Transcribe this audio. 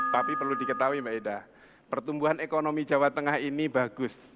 tapi perlu diketahui mbak ida pertumbuhan ekonomi jawa tengah ini bagus